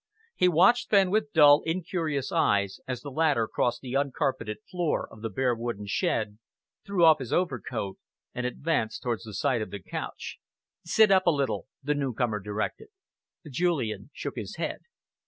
He watched Fenn with dull, incurious eyes as the latter crossed the uncarpeted floor of the bare wooden shed, threw off his overcoat, and advanced towards the side of the couch. "Sit up a little," the newcomer directed. Julian shook his head.